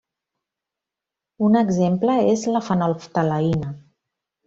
Un exemple és la fenolftaleïna.